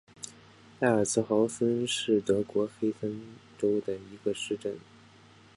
埃尔茨豪森是德国黑森州的一个市镇。